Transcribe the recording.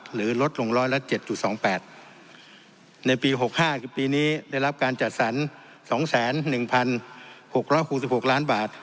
ลดลงร้อยละ๗๒๘ในปี๖๕คือปีนี้ได้รับการจัดสรร๒๑๖๖ล้านบาท